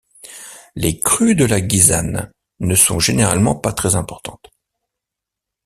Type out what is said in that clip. Les crues de la Guisane ne sont généralement pas très importantes.